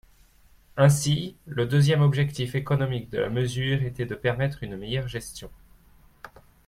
Ainsi, le deuxième objectif économique de la mesure était de permettre une meilleure gestion.